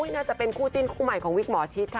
น่าจะเป็นคู่จิ้นคู่ใหม่ของวิกหมอชิดค่ะ